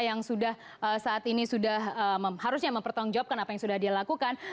yang sudah saat ini sudah harusnya mempertanggung jawabkan apa yang sudah dilakukan